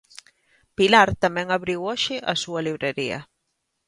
Pilar tamén abriu hoxe a súa librería.